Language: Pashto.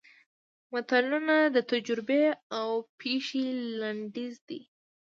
متلونه د تجربې او پېښې لنډیز دي